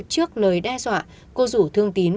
trước lời đe dọa cô rủ thương tín